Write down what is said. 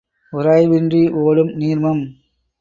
உராய்வின்றி ஒடும் நீர்மம்.